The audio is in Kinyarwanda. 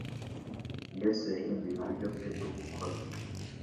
Yesu yahinduye uburyo bwe bwo gukora',